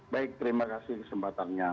baik terima kasih kesempatannya